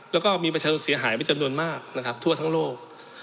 แล้วก็มีประชาชนเสียหายเป็นจำนวนมากนะครับทั่วทั้งโลก